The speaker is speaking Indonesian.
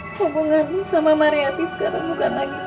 hubungan sama mariati sekarang bukan lagi